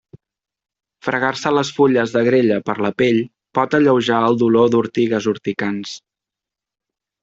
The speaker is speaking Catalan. Fregar-se les fulles d'agrella per la pell pot alleujar el dolor d'ortigues urticants.